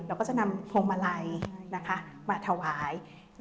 ก็จะนำพวงมาลัยมาถวาย